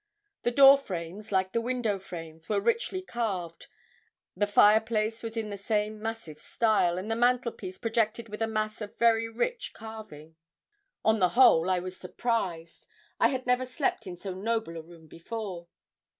The door frames, like the window frames, were richly carved; the fireplace was in the same massive style, and the mantelpiece projected with a mass of very rich carving. On the whole I was surprised. I had never slept in so noble a room before.